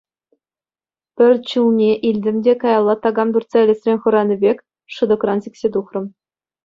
Пӗр чулне илтӗм те каялла такам туртса илесрен хӑранӑ пек шӑтӑкран сиксе тухрӑм.